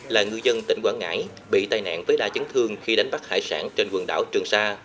là ngư dân tỉnh quảng ngãi bị tai nạn với đa chấn thương khi đánh bắt hải sản trên quần đảo trường sa